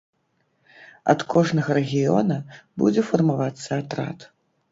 Ад кожнага рэгіёна будзе фармавацца атрад.